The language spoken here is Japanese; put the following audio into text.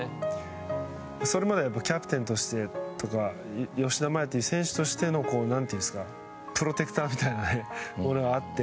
それまではキャプテンとしてとか吉田麻也という選手としてのプロテクターみたいなのがあって。